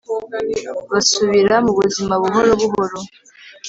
basubira mu buzima buhoro buhoro